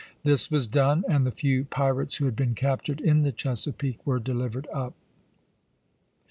This was done, and the few pirates who had been captured in the Chesa peake were delivered up.